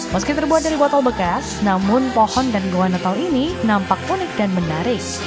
meski terbuat dari botol bekas namun pohon dan goa natal ini nampak unik dan menarik